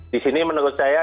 di sini menurut saya